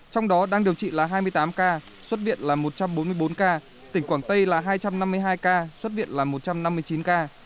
trong đó đang điều trị là hai mươi tám ca xuất viện là một trăm bốn mươi bốn ca tỉnh quảng tây là hai trăm năm mươi hai ca xuất viện là một trăm năm mươi chín ca